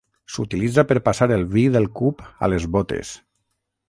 S'utilitza per passar el vi del cup a les bótes.